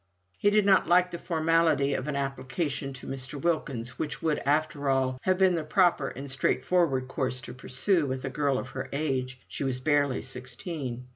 He did not like the formality of an application to Mr. Wilkins, which would, after all, have been the proper and straightforward course to pursue with a girl of her age she was barely sixteen.